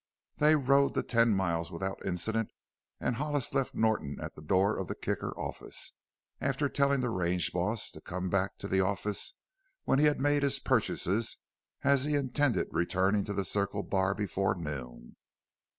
They rode the ten miles without incident and Hollis left Norton at the door of the Kicker office, after telling the range boss to come back to the office when he had made his purchases as he intended returning to the Circle Bar before noon.